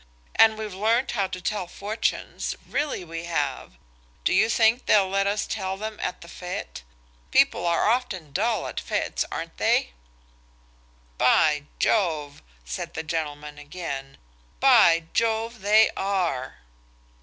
And we've learnt how to tell fortunes–really we have. Do you think they'll let us tell them at the fête. People are often dull at fêtes, aren't they?" "By Jove!" said the gentleman again–"by Jove, they are!"